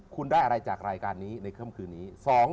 ๑คุณได้อะไรจากรายการในเค้มคืนนี้